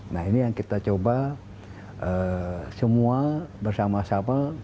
nah ini yang kita coba semua bersama sama